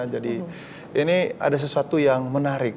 jadi ini ada sesuatu yang menarik